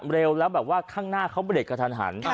เร็วแล้วแบบว่าข้างหน้าเขาเบรกกระทันหัน